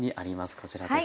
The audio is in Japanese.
こちらです。